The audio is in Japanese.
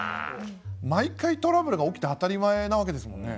毎回トラブルが起きて当たり前なわけですもんね。